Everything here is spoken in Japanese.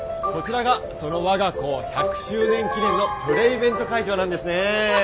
こちらがその我が校１００周年記念のプレイベント会場なんですね。